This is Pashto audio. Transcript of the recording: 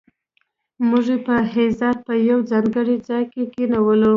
موږ یې په عزت په یو ځانګړي ځای کې کېنولو.